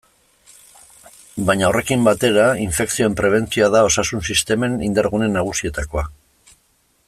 Baina horrekin batera, infekzioen prebentzioa da osasun-sistemen indar-gune nagusietakoa.